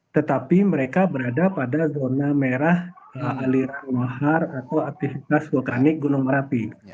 tetapi mereka berada pada zona merah aliran mahar atau aktivitas vulkanik gunung merapi